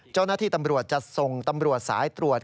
เจ้าหน้าที่ตำรวจจะส่งตำรวจสายตรวจ